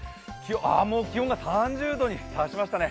あっ、もう気温が３０度に達しましたね。